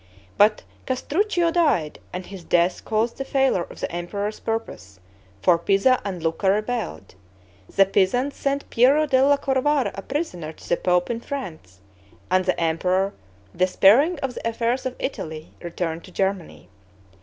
But Castruccio died, and his death caused the failure of the emperor's purpose; for Pisa and Lucca rebelled. The Pisans sent Piero della Corvara a prisoner to the pope in France, and the emperor, despairing of the affairs of Italy, returned to Germany.